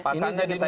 pakannya kita impor